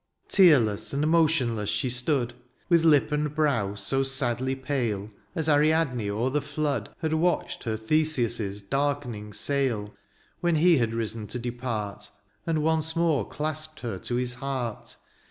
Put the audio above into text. *' Tearless and motionless she stood. With lip and brow so sadly pale. As Ariadne o'er the flood Had watched her Theseus' darkening sail. When he had risen to depart. And once more clasped her to his heart.